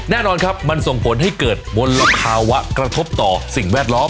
แน่นอนครับมันส่งผลให้เกิดมลภาวะกระทบต่อสิ่งแวดล้อม